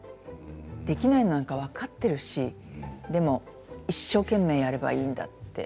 できないのなんか分かっているしでも一生懸命やればいいんだって。